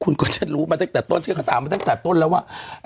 คุณก็จะรู้มาตั้งแต่ต้นที่เขาตามมาตั้งแต่ต้นแล้วว่า